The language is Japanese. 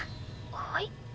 はい？